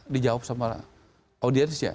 dijawab sama audiensinya